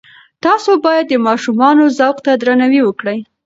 تاسې باید د ماشومانو ذوق ته درناوی وکړئ.